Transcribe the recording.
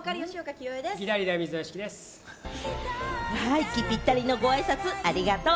息ぴったりのご挨拶ありがとう。